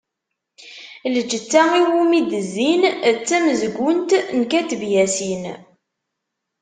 "Lǧetta iwumi d-zzin" d tamezgunt n Kateb Yasin.